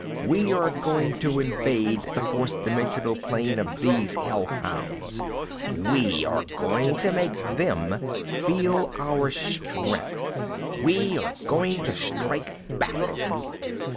We are going to invade the fourth dimensional plane of these hellhounds. We are going to make them feel our strength. We are going to strike back."